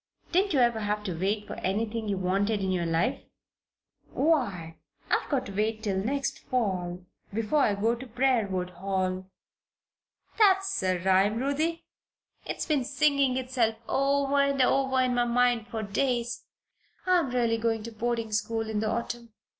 Didn't you ever have to wait for anything you wanted in your life?" "Why, I've got to wait till next fall before I go to Briarwood Hall. That's a rhyme, Ruthie; it's been singing itself over and over in my mind for days. I'm really going to boarding school in the autumn.